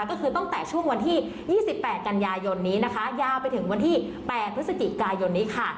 ก็คือตั้งแต่ช่วงวันที่๒๘กันยายนนี้นะคะยาวไปถึงวันที่๘พฤศจิกายนนี้ค่ะ